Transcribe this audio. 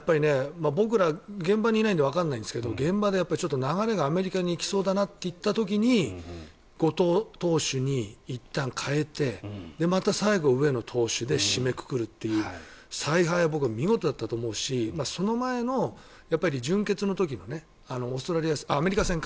僕ら、現場にいないのでわかないんですけど現場で、アメリカに流れが行きそうだなといった時に後藤投手にいったん代えてまた最後、上野投手で締めくくるという采配は僕は見事だったと思うしその前の準決勝の時のアメリカ戦か。